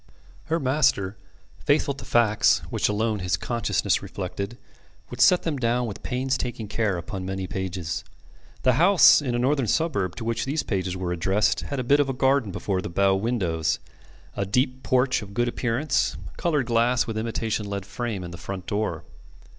Her master, faithful to facts, which alone his consciousness reflected, would set them down with painstaking care upon many pages. The house in a northern suburb to which these pages were addressed had a bit of garden before the bow windows, a deep porch of good appearance, coloured glass with imitation lead frame in the front door.